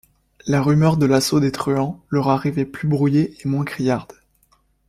La rumeur de l’assaut des truands leur arrivait plus brouillée et moins criarde.